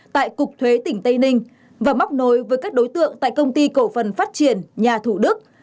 tại cục thuế tỉnh tây ninh và móc nối với các đối tượng tại công ty cổ phần phát triển nhà thủ đức